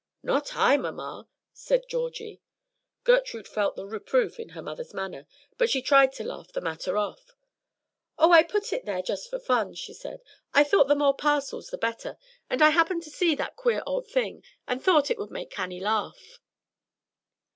"Not I, mamma," said Georgie. Gertrude felt the reproof in her mother's manner, but she tried to laugh the matter off. "Oh, I put it there just for fun," she said. "I thought the more parcels the better, and I happened to see that queer old thing, and thought it would make Cannie laugh."